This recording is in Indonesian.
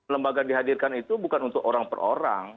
lembaga dihadirkan itu bukan untuk orang per orang